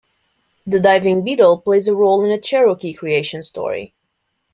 The diving beetle plays a role in a Cherokee creation story.